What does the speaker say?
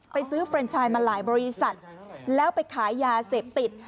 ไปซื้อเฟรนชายมาหลายบริษัทแล้วไปขายยาเสพติด